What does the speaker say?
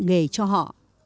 nghề cho họ